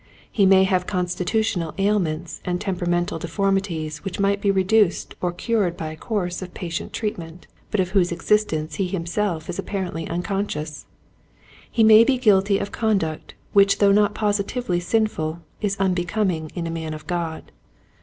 He may have constitutional ailments and tempera mental deformities which might be reduced or cured by a course of patient treatment, but of whose existence he himself is appar ently unconscious. He may be guilty of conduct which though not positively sinful is unbecoming in a man of God.